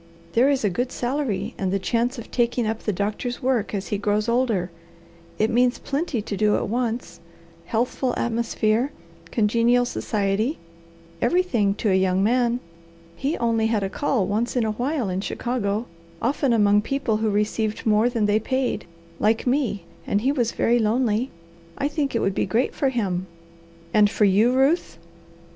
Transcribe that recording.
There is a good salary and the chance of taking up the doctor's work as he grows older. It means plenty to do at once, healthful atmosphere, congenial society everything to a young man. He only had a call once in a while in Chicago, often among people who received more than they paid, like me, and he was very lonely. I think it would be great for him." "And for you, Ruth?"